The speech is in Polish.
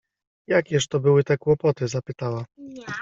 — Jakież to były te kłopoty? — zapytała.